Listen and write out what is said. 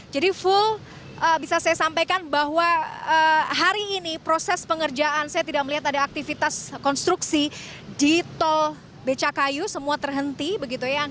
jadi full bisa saya sampaikan bahwa hari ini proses pengerjaan saya tidak melihat ada aktivitas konstruksi di tol beca kayu semua terhenti begitu ya